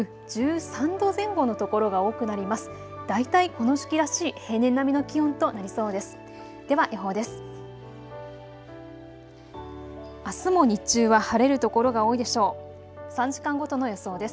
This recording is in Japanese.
大体この時期らしい平年並みの気温となりそうです。